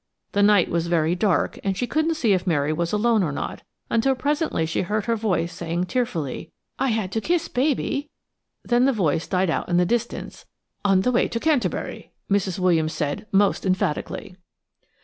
The night was very dark, and she couldn't see if Mary was alone or not, until presently she heard her voice saying tearfully: "I had to kiss baby–" then the voice died out in the distance "on the way to Canterbury," Mrs. Williams said most emphatically.